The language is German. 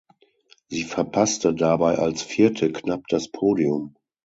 Sie verpasste dabei als Vierte knapp das Podium.